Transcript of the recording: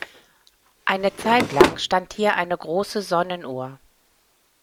Eine Zeit lang stand hier eine große Sonnenuhr.